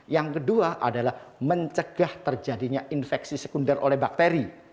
yang kedua adalah mencegah terjadinya infeksi sekunder oleh bakteri